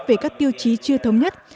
với các tiêu chí chưa thống nhất